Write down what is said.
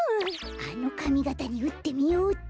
あのかみがたにうってみようっと。